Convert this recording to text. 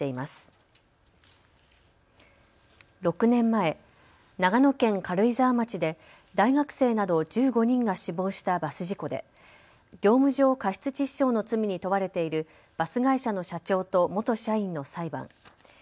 ６年前、長野県軽井沢町で大学生など１５人が死亡したバス事故で業務上過失致死傷の罪に問われているバス会社の社長と元社員の裁判。